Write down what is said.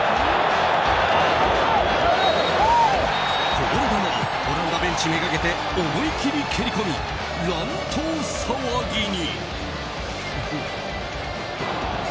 こぼれ球をオランダベンチめがけて思い切り蹴り込み、乱闘騒ぎに。